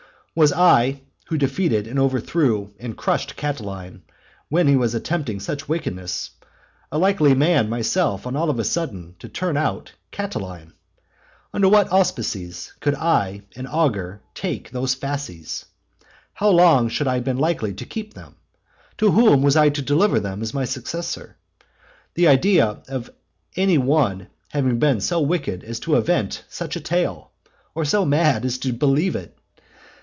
Was I, who defeated and overthrew and crushed Catiline, when he was attempting such wickedness, a likely man myself all on a sudden to turn out Catiline? Under what auspices could I, an augur, take those fasces? How long should I have been likely to keep them? to whom was I to deliver them as my successor? The idea of any one having been so wicked as to invent such a tale! or so mad as to believe it!